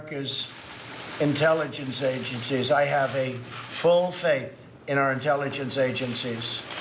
นั่นคงคืออาทิตย์อินเตลเจนส์